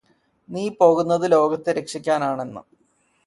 നീ പോകുന്നത് ലോകത്തെ രക്ഷിക്കാനാണെന്ന്